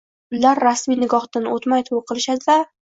Ular rasmiy nikohdan o`tmay to`y qilishadi-da